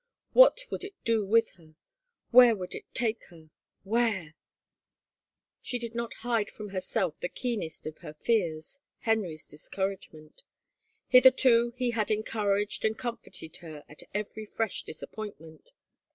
What would it do with her ? Where would it take her ?— Where ? She did not hide from herself the keenest of her fears — Henry's discouragement. Hitherto he had en couraged and comforted her at every fresh disappoint ment.